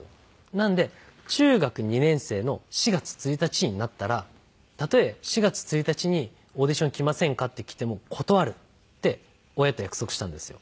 なので中学２年生の４月１日になったらたとえ４月１日に「オーディションに来ませんか？」って来ても断るって親と約束したんですよ。